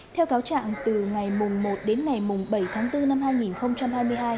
theo cáo trạng từ ngày một đến ngày bảy tháng bốn năm hai nghìn hai mươi hai